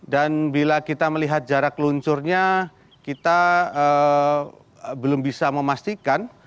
dan bila kita melihat jarak luncurnya kita belum bisa memastikan